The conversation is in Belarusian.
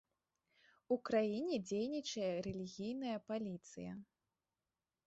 У краіне дзейнічае рэлігійная паліцыя.